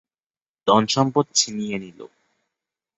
ধনসম্পদ ছিনিয়ে নিল।